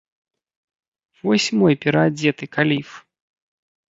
Вось мой пераадзеты каліф!